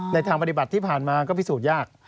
ทางปฏิบัติที่ผ่านมาก็พิสูจน์ยาก